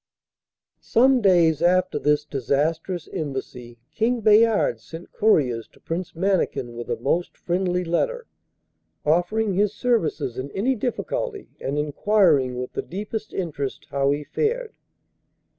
Some days after this disastrous embassy King Bayard sent couriers to Prince Mannikin with a most friendly letter, offering his services in any difficulty, and enquiring with the deepest interest how he fared.